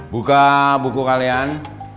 buka buku kalian